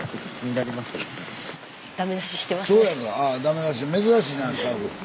だめ出し珍しいなスタッフ。